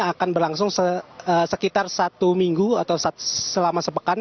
akan berlangsung sekitar satu minggu atau selama sepekan